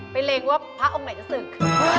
เล็งว่าพระองค์ไหนจะศึก